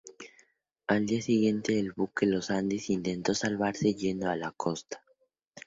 Al día siguiente el buque Los Andes intentó salvarse yendo a la costa.